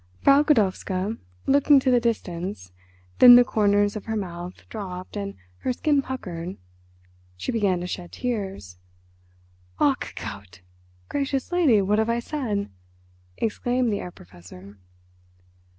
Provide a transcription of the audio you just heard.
Frau Godowska looked into the distance, then the corners of her mouth dropped and her skin puckered. She began to shed tears. "Ach Gott! Gracious lady, what have I said?" exclaimed the Herr Professor.